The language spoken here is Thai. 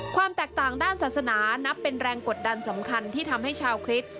ความแตกต่างด้านศาสนานับเป็นแรงกดดันสำคัญที่ทำให้ชาวคริสต์